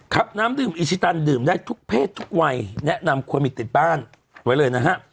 ครับน้ำดื่มอิชิตันดื่มได้ทุกเพศทุกวัยแนะนำโควิดติดบ้านไว้เลยนะฮะ